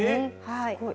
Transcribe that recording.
すごい。